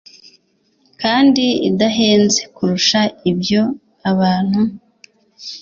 kandi idahenze kurusha ibyo abantu